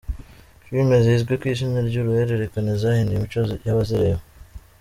Filimi zizwi ku izina ryuruhererekane zahinduye imico y’abazireba